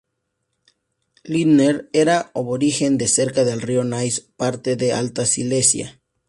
Lindner era aborigen de cerca del río Neisse, parte de Alta Silesia.